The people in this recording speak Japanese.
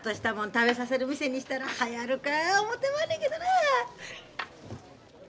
食べさせる店にしたらはやるか思てまんねんけどなあ。